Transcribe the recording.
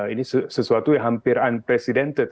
ini sesuatu yang hampir unprecedented